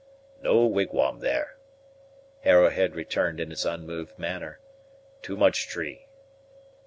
"No wigwam there," Arrowhead answered in his unmoved manner "too much tree."